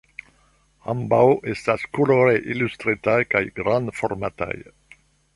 Ambaŭ estas kolore ilustritaj kaj grandformataj.